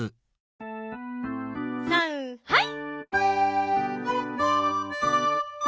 さんはい！